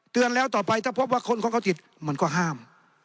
เตือนแล้วต่อไปถอบว่าคนเค้าติดมันก็ห้าม